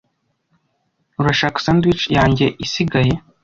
Urashaka sandwich yanjye isigaye?